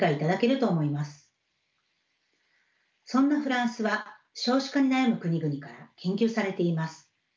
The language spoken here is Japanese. そんなフランスは少子化に悩む国々から研究されています。